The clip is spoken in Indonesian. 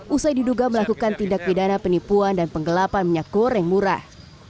usai diduga melakukan tindak pidana penipuan dan penggelapan minyak goreng murah